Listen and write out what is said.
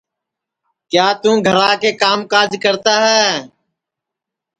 کیا توں گھرا کے کام کاج کرتا ہے